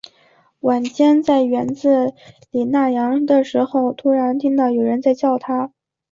晚间，在院子里纳凉的时候，突然听到有人在叫他